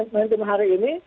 momentum hari ini